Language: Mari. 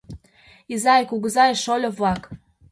Изай, кугызай, шольо-влак!